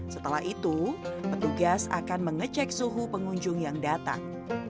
setelah itu petugas akan mengecek suhu pengunjung yang datang